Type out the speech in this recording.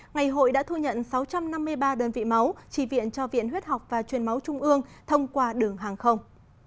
ngày hội đã thu nhận sáu trăm năm mươi ba đơn vị máu chỉ viện cho viện huyết học và truyền máu trung ương thông qua đường hàng không